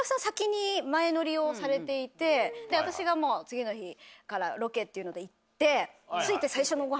をされていて私が次の日からロケっていうので行って。